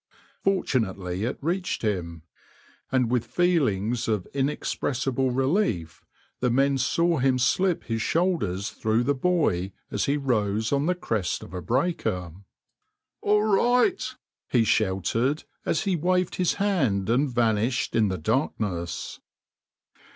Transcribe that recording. Fortunately it reached him, and with feelings of inexpressible relief the men saw him slip his shoulders through the buoy as he rose on the crest of a breaker. "All right," he shouted, as he waved his hand and vanished in the darkness.